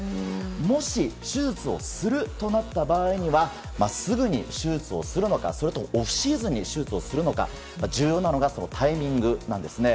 もし手術をするとなった場合には、すぐに手術をするのか、それともオフシーズンに手術をするのか、重要なのがそのタイミングなんですね。